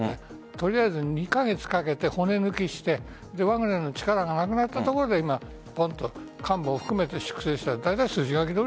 とりあえず２カ月かけて骨抜きしてワグネルの力がなくなったところで今幹部を含めて粛清した。